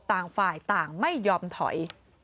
ต่างฝ่ายต่างไม่ยอมถอย